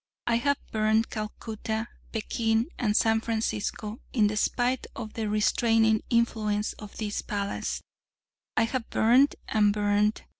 I have burned Calcutta, Pekin, and San Francisco. In spite of the restraining influence of this palace, I have burned and burned.